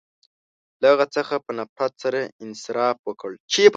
• له هغه څخه په نفرت سره انصراف وکړ.